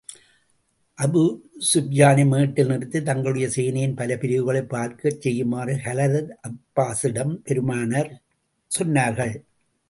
Abu ஸுப்யானை மேட்டில் நிறுத்தி, தங்களுடைய சேனையின் பல பிரிவுகளையும் பார்க்கச் செய்யுமாறு, ஹலரத் அப்பாஸிடம் பெருமானார் சொன்னார்கள்.